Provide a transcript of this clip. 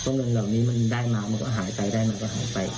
เงินเหล่านี้มันก็หายไปได้ก็หายไป